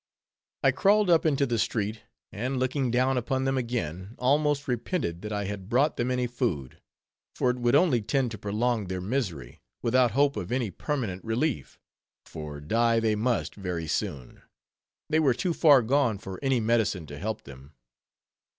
I crawled up into the street, and looking down upon them again, almost repented that I had brought them any food; for it would only tend to prolong their misery, without hope of any permanent relief: for die they must very soon; they were too far gone for any medicine to help them.